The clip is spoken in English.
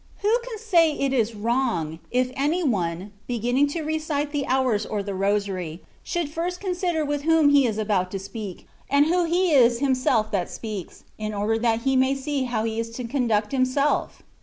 Who can say it is wrong, if any one, beginmng to recite the Hours or the Rosary, should first consider with whom he is about to speak, and who he is himself that speaks, in order that he may see how he is to conduct himself?